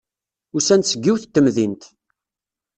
Usan-d seg yiwet n temdint.